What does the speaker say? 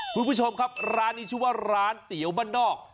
คุณผู้ชมครับร้านนี้ชื่อว่าร้านเตี๋ยวบ้านนอก